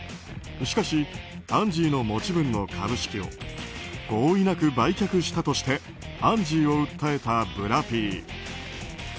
しかしアンジーの持ち分の株式を合意なく売却したとしてアンジーを訴えたブラピ。